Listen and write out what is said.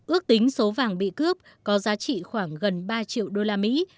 ước tính số vàng bị cướp có giá trị khoảng gần ba triệu đô la mỹ